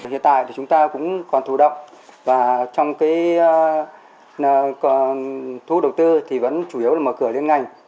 hiện tại thì chúng ta cũng còn thủ động và trong cái thu đầu tư thì vẫn chủ yếu là mở cửa liên ngành